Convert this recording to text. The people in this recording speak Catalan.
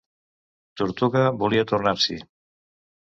Tortuga volia tornar-s'hi.